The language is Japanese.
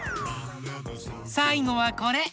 さいごはこれ。